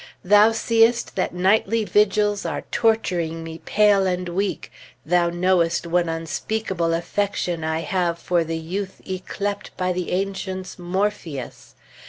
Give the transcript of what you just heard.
Thou seest that nightly vigils are torturing me pale and weak, thou knowest what unspeakable affection I have for the youth yclept by the ancients Morpheus.